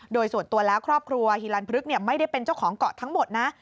โดยส่วนตัวแล้วครอบครัวฮิลันพฤกษ์ไม่ได้เป็นเจ้าของเกาะทั้งหมดนะ